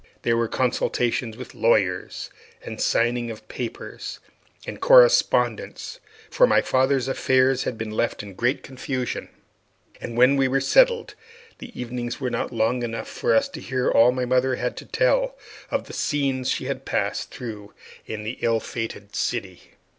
There were consultations with lawyers, and signing of papers, and correspondence; for my father's affairs had been left in great confusion. And when these were settled, the evenings were not long enough for us to hear all my mother had to tell of the scenes she had passed through in the ill fated city.